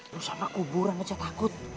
lu sama kuburan aja takut